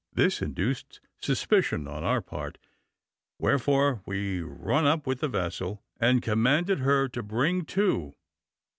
This induced suspicion on our part, wherefore we run up with the vessel, and commanded her to bring to.